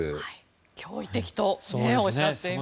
驚異的とおっしゃっています。